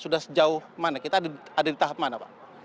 sudah sejauh mana kita ada di tahap mana pak